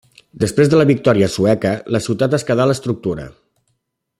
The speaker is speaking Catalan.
Després de la victòria sueca, la ciutat es quedà l’estructura.